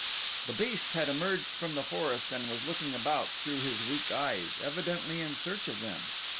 The beast had emerged from the forest and was looking about through his weak eyes, evidently in search of them.